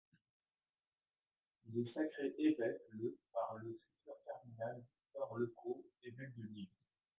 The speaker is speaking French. Il est sacré évêque le par le futur Cardinal Victor Lecot, évêque de Dijon.